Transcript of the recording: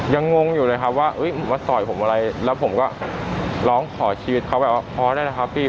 งงอยู่เลยครับว่ามาต่อยผมอะไรแล้วผมก็ร้องขอชีวิตเขาแบบว่าพอได้นะครับพี่